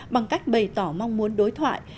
bằng cách bày tỏ mong muốn đối thoại